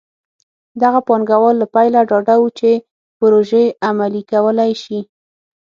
دغه پانګوال له پیله ډاډه وو چې پروژې عملي کولی شي.